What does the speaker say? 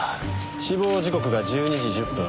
死亡時刻が１２時１０分。